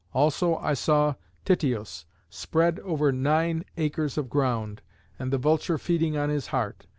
Also I saw Tityos, spread over nine acres of ground, and the vulture feeding on his heart.